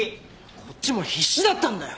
こっちも必死だったんだよ！